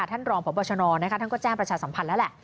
ท่านรองพบชนท่านก็แจ้งประชาสัมพันธ์แล้วแหละ